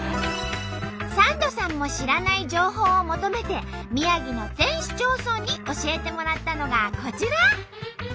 サンドさんも知らない情報を求めて宮城の全市町村に教えてもらったのがこちら。